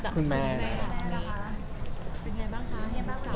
คุณแม่นะคะเป็นไงบ้างคะให้บ้างสาว